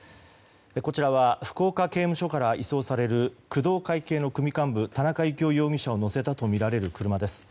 こちらは福岡刑務所から移送される工藤会系の組幹部田中幸雄容疑者を乗せたとみられる車です。